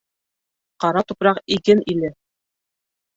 — Ҡара тупраҡ, иген иле.